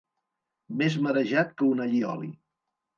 Més marejat que un allioli.